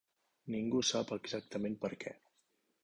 Ningú sap exactament per què.